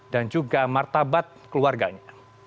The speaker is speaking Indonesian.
dan juga martabat keluarganya